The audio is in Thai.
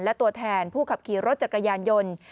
และตัวแทนผู้ขับขี่รถจักรยานยนต์